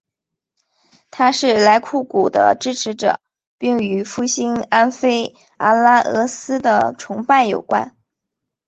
他是莱库古的支持者并与复兴安菲阿拉俄斯的崇拜有关。